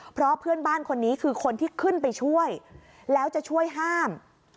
เพราะเพื่อนบ้านคนนี้คือคนที่ขึ้นไปช่วยแล้วจะช่วยห้าม